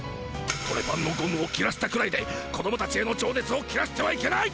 トレパンのゴムを切らしたくらいで子どもたちへのじょうねつを切らしてはいけない！